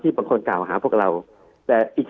คุณหมอประเมินสถานการณ์บรรยากาศนอกสภาหน่อยได้ไหมคะ